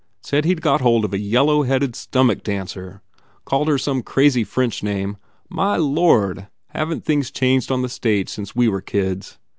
Said he d got hold of a yellow headed stomach dancer. Called her some crazy French name. My lord, haven t things changed on the stage since we were kids!